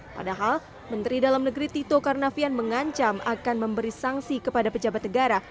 padahal menteri dalam negeri tito karnavian mengancam akan memberi sanksi kepada pejabat negara